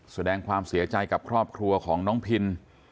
แสดงความเสียใจกับครอบครัวของน้องพิน